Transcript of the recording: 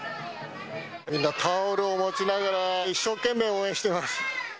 みんなタオルを持ちながら、一生懸命応援してます。